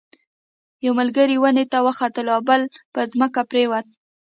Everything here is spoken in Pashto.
یو ملګری ونې ته وختلو او بل په ځمکه پریوت.